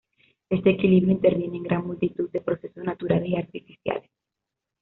Este equilibrio interviene en gran multitud de procesos naturales y artificiales.